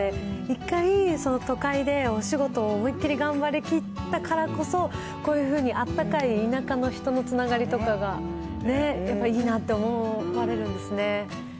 一回、都会でお仕事を思いっきり頑張りきったからこそ、こういうふうにあったかい田舎の人のつながりとかが、やっぱりいいなと思われるんですね。